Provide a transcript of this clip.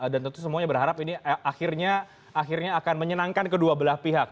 dan tentu semuanya berharap ini akhirnya akan menyenangkan kedua belah pihak